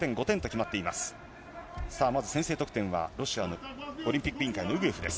さあ、まず先制得点はロシアのオリンピック委員会のウグエフです。